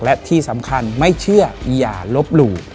และที่สำคัญไม่เชื่ออย่าลบหลู่